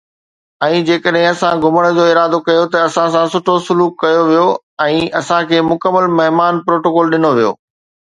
۽ جيڪڏهن اسان گهمڻ جو ارادو ڪيو ته اسان سان سٺو سلوڪ ڪيو ويو ۽ اسان کي مڪمل مهمان پروٽوڪول ڏنو ويو